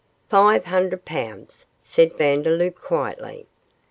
'Five hundred pounds,' said Vandeloup, quietly.